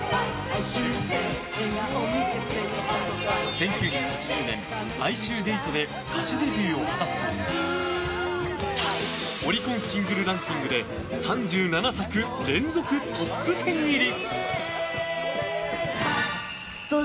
１９８０年、「哀愁でいと」で歌手デビューを果たすとオリコンシングルランキングで３７作連続トップ１０入り。